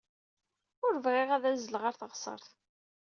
Ur bɣiɣ ad azzleɣ ɣer teɣsert.